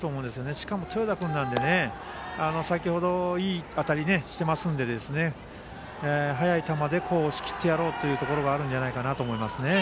しかも、豊田君は先程、いい当たりをしてますので速い球で押し切ってやろうというところがあるんじゃないかなと思います。